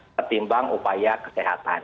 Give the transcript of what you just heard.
ketimbang upaya kesehatan